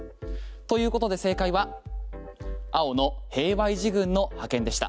ということで正解は青の平和維持軍の派遣でした。